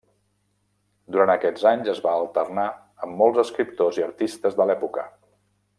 Durant aquests anys es va alternar amb molts escriptors i artistes de l'època.